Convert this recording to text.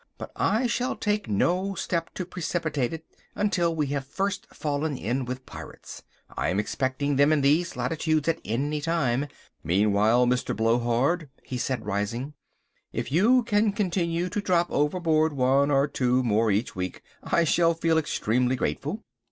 But I shall take no step to precipitate it until we have first fallen in with pirates. I am expecting them in these latitudes at any time. Meantime, Mr. Blowhard," he said, rising, "if you can continue to drop overboard one or two more each week, I shall feel extremely grateful."